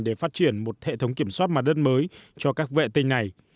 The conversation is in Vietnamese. để phát triển một hệ thống kiểm soát mặt đất mới cho các vệ tinh này